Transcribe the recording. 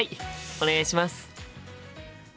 お願いします。